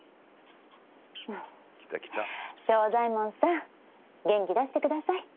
正左衛門さん元気出して下さい。